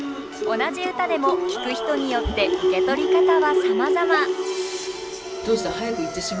同じ歌でも聴く人によって受け取り方はさまざま。